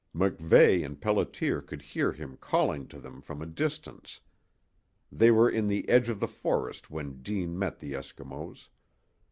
MacVeigh and Pelliter could hear him calling to them from a distance. They were in the edge of the forest when Deane met the Eskimos.